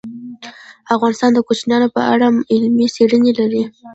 افغانستان د کوچیانو په اړه علمي څېړنې لري.